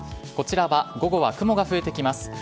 こちらは午後は雲が増えてきます。